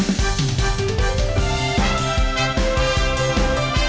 เอาเป็นแบบว่าปากดีเลยใช่ไหมปากดูเลยนะ